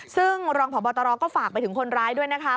ซึ่งรองพบตรก็ฝากไปถึงคนร้ายด้วยนะคะ